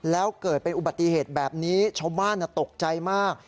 แล้วเกิดเป็นอุบัติเหตุแบบนี้ชาวบ้านตกใจมาก